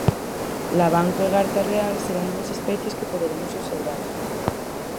Lavanco e garza real serán dúas especies que poderemos observar.